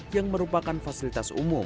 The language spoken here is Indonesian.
yang merupakan fasilitas umum